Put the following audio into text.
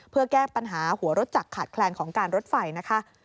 เพื่อแก้ปัญหาหัวรถจักรขาดแคลนของการรถไฟนะคะ